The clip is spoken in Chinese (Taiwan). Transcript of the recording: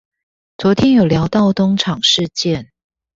昨天有聊到東廠事件